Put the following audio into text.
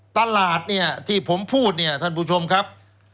ตลาดเนี่ยที่ผมพูดเนี่ยท่านผู้ชมครับ